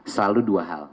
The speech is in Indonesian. selalu dua hal